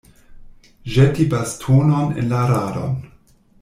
Ĵeti bastonon en la radon.